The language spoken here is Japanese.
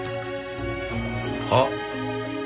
あっ。